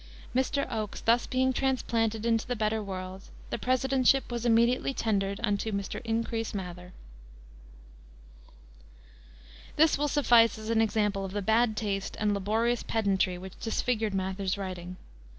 "Mr. Oakes thus being transplanted into the better world, the presidentship was immediately tendered unto Mr. Increase Mather." This will suffice as an example of the bad taste and laborious pedantry which disfigured Mather's writing.